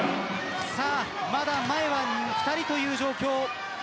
まだ前は２人という状況。